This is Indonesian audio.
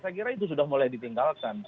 saya kira itu sudah mulai ditinggalkan